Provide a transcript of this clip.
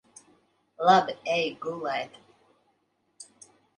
Labi. Ej gulēt.